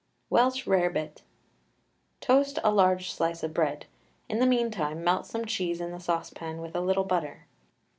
WELSH RAREBIT. Toast a large slice of bread; in the meantime melt some cheese in the saucepan with a little butter.